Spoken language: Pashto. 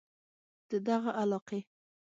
د دغه علاقې